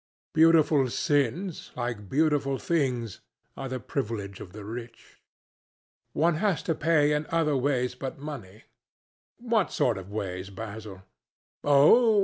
Beautiful sins, like beautiful things, are the privilege of the rich." "One has to pay in other ways but money." "What sort of ways, Basil?" "Oh!